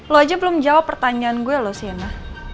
lo aja belum jawab pertanyaan gue loh sienna